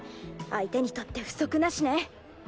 相手にとって不足なしね！